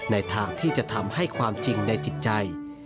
ในทางที่จะทำให้ความจริงในจิตใจ